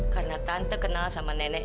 karena tante kenal sama nenek